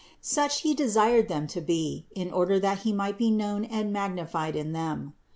Such He desired them to be, in order that He might be known and magnified in them.